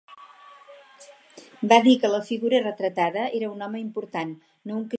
Va dir que la figura retratada era un home important, no un criat.